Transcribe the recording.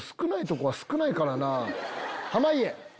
濱家。